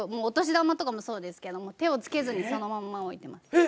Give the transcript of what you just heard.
お年玉とかもそうですけど手を付けずにそのまんま置いてます。